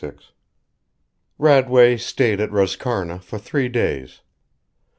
VI Radway stayed at Roscarna for three days.